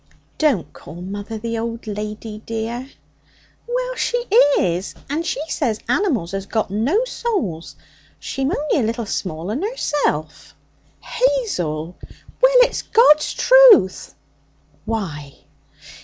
'Don't call mother the old lady, dear.' 'Well, she is. And she says animals has got no souls. She'm only got a little small 'un herself.' 'Hazel!' 'Well, it's God's truth.' 'Why?'